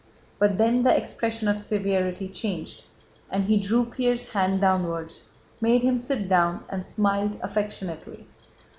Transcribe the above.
But then the expression of severity changed, and he drew Pierre's hand downwards, made him sit down, and smiled affectionately.